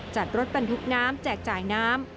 จัดรถบรรทุกน้ำแจกจ่ายน้ำ